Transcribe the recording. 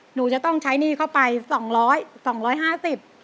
หนูจะต้องใช้หนี้เข้าไป๒๐๐๒๕๐บาท